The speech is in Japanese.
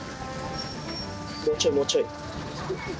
もうちょいもうちょい。